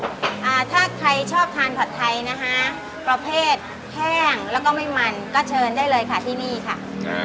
อ่าถ้าใครชอบทานผัดไทยนะคะประเภทแห้งแล้วก็ไม่มันก็เชิญได้เลยค่ะที่นี่ค่ะใช่